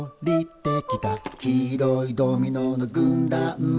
「黄色いドミノの軍団」